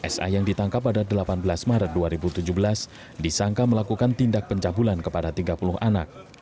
sa yang ditangkap pada delapan belas maret dua ribu tujuh belas disangka melakukan tindak pencabulan kepada tiga puluh anak